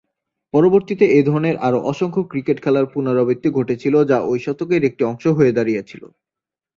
পরবর্তীতে এ ধরনের আরো অসংখ্য ক্রিকেট খেলার পুণরাবৃত্তি ঘটেছিল যা ঐ শতকের একটি অংশ হয়ে দাঁড়িয়েছিল।